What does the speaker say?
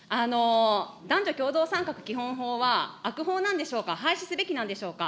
男女共同参画基本法は、悪法なんでしょうか、廃止すべきなんでしょうか。